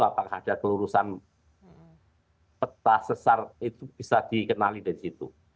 apakah ada kelurusan peta sesar itu bisa dikenali dari situ